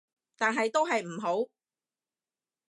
但係都係唔好